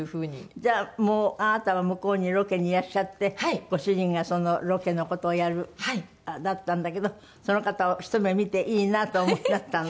じゃあもうあなたは向こうにロケにいらっしゃってご主人がそのロケの事をやるだったんだけどその方をひと目見ていいなとお思いになったの？